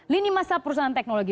lini masa perusahaan teknologi